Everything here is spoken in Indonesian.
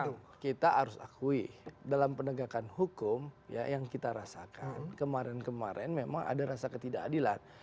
tentu kita harus akui dalam penegakan hukum yang kita rasakan kemarin kemarin memang ada rasa ketidakadilan